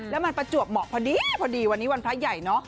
แล้วมันประจวบเหมาะพอดีพอดีวันนี้วันพระใหญ่เนอะ